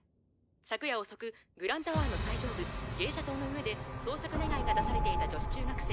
昨夜遅くグランタワーの最上部ゲイシャ塔の上で捜索願が出されていた女子中学生